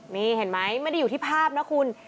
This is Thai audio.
นี่เห็นไหมไม่ได้อยู่ที่ภาพนะคุณ